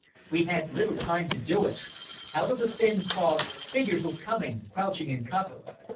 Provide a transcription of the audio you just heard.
We had little time to do it. Out of the thin fog figures were coming, crouching in cover.